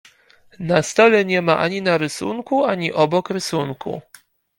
Na stole nie ma ani na rysunku, ani obok rysunku.